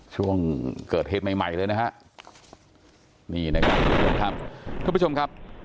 ช่วงเกิดเหตุใหม่ใหม่เลยนะฮะนี่นะครับทุกผู้ชมครับ